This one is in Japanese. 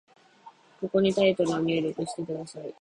ここにタイトルを入力してください。